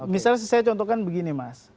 misalnya saya contohkan begini mas